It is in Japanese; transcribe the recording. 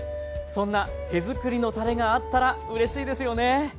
そんな手作りのたれがあったらうれしいですよね！